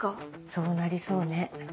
そうなりそうね。